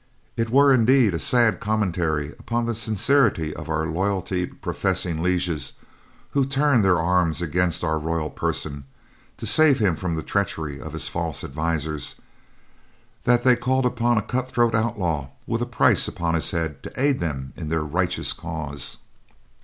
"It were indeed a sad commentary upon the sincerity of our loyalty professing lieges who turned their arms against our royal person, 'to save him from the treachery of his false advisers,' that they called upon a cutthroat outlaw with a price upon his head to aid them in their 'righteous cause'."